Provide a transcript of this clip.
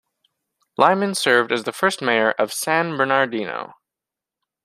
Lyman served as the first mayor of San Bernardino.